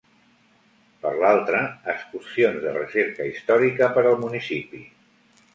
Per l'altre, excursions de recerca històrica per al municipi.